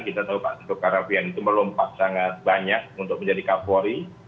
kita tahu pak tito karnavian itu melompat sangat banyak untuk menjadi kapolri